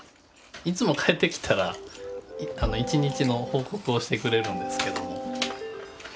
いつも帰ってきたら一日の報告をしてくれるんですけども。